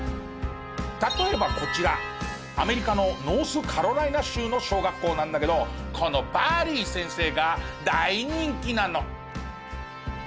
例えばこちらアメリカのノースカロライナ州の小学校なんだけどこのバリー先生が大人気なの。